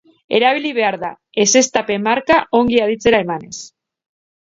Erabili behar da, ezeztapen-marka ongi aditzera emanez.